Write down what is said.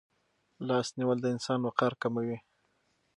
لاس نیول د انسان وقار کموي.